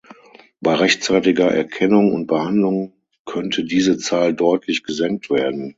Bei rechtzeitiger Erkennung und Behandlung könnte diese Zahl deutlich gesenkt werden.